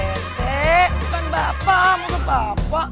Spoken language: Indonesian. eee bukan bapak bukan bapak